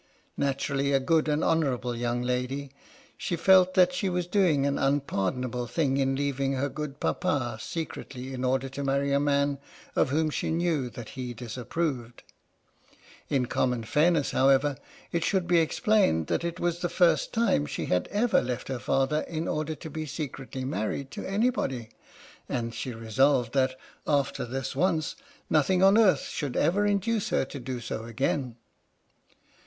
Naturally a good and honourable young laay, snc felt that she was doing an unpardonable thing in leaving her good Papa secretly in order to marry a man of whom she knew that he disapproved. In common fairness, however, it should be explained that it was the first time she had ever left her father in order to be secretly married to anybody, and she resolved that, after this once, nothing on earth should ever induce her to do so again.